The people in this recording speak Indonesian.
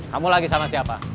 kamu lagi sama siapa